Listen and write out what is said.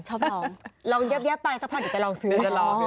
ชอบลองลองเยอะแยะไปสักพันเดี๋ยวจะลองซื้อ